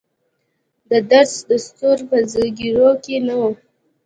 د درد دستور به زګیروی کوي نو.